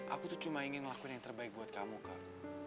aku tuh cuma ingin ngelakuin yang terbaik buat kamu kak